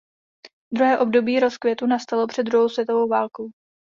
Druhé období rozkvětu nastalo před druhou světovou válkou.